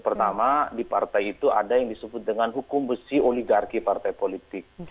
pertama di partai itu ada yang disebut dengan hukum besi oligarki partai politik